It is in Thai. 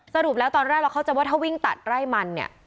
สรุปแล้วตอนแรกเราเข้าใจว่าถ้าวิ่งตัดไร่มันเนี่ย